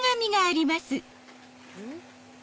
うん？